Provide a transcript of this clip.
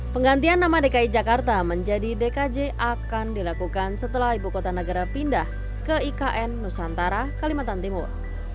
penggantian nama dki jakarta menjadi dkj akan dilakukan setelah ibu kota negara pindah ke ikn nusantara kalimantan timur